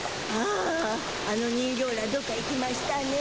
ああの人形らどっか行きましゅたね。